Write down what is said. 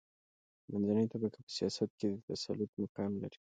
منځنۍ طبقه په سیاست کې د تسلط مقام لري.